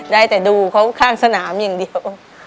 ได้แต่ดูเขาข้างสนามอย่างเดียว